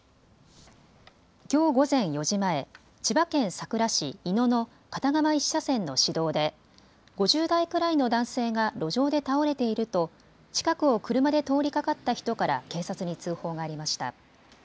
きょう午前４時前、千葉県佐倉市井野の片側１車線の市道で５０歳くらいの男性が路上で倒れていると近くを車で通りかかった人から警察に通報がありました。